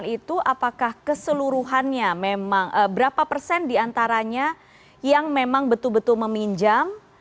tiga ratus empat puluh delapan itu apakah keseluruhannya memang berapa persen diantaranya yang memang betul betul meminjam